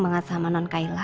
mengasah sama non kaila